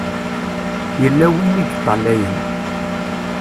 Yella win i yeṭṭalayen.